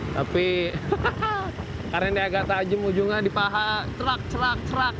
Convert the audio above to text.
tapi karena ini agak tajam ujungnya di paha cerak cerak cerak